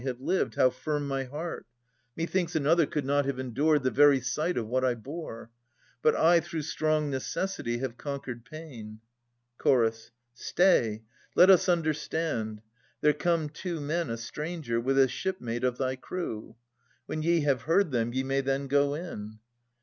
have lived, how firm my heart ! Methinks another could not have endured The very sight of what I bore. But I Through strong necessity have conquered pain. Ch. Stay : let us understand. There come two men, A stranger, with a shipmate of thy crew. When ye have heard them, ye may then go in.